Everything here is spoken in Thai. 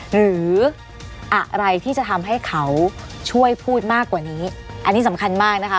หรืออะไรที่จะทำให้เขาช่วยพูดมากกว่านี้อันนี้สำคัญมากนะคะ